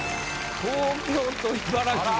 東京と茨城が。